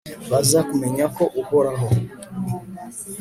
baza kumenya ko uhoraho